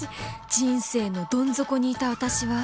人生のどん底にいた私は